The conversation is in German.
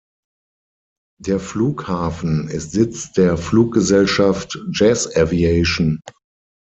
Der Flughafen ist Sitz der Fluggesellschaft Jazz Aviation.